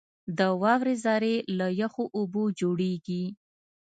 • د واورې ذرې له یخو اوبو جوړېږي.